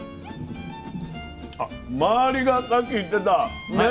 周りがさっき言ってたね